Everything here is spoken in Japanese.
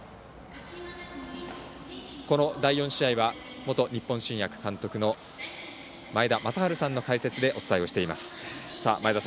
この第４試合は元日本新薬監督の前田正治さんの解説でお伝えしています。